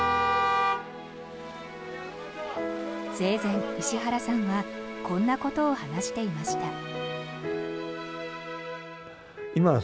生前、石原さんはこんなことを話していました。